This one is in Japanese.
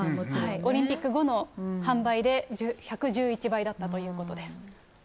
オリンピック後の販売で１１１倍だったということです。